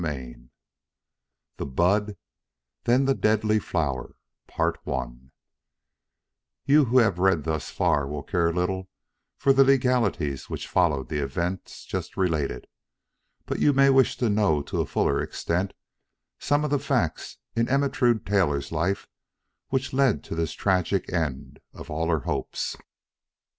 XXXIV THE BUD THEN THE DEADLY FLOWER You who have read thus far will care little for the legalities which followed the events just related, but you may wish to know to a fuller extent some of the facts in Ermentrude Taylor's life which led to this tragic end of all her hopes.